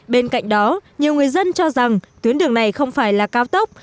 bên cạnh đó nhiều người dân cho rằng tuyến đường này không phải là cao tốc